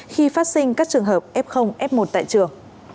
khi phát sinh các trường hợp f f một tại trường